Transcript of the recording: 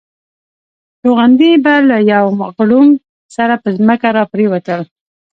توغندي به له یو غړومب سره پر ځمکه را پرېوتل.